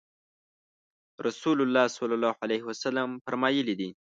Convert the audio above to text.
رسول الله صلی الله علیه وسلم فرمایلي دي